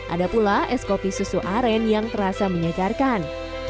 ada pula es kopi susu aren yang terasa menyegarkan